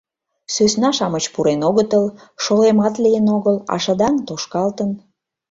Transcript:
— Сӧсна-шамыч пурен огытыл, шолемат лийын огыл, а шыдаҥ тошкалтын.